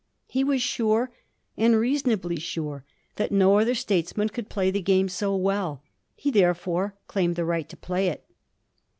He was sure, and reasonably sure, that no other statesman could play the game so well ; he therefore claimed the right to play it.